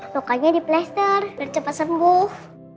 lukanya di plaster biar cepat sembuh